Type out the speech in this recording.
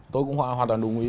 tôi cũng hoàn toàn đồng ý